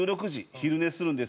昼寝するんですね。